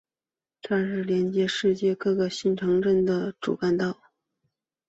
它是连接新界各个新市镇的主干道。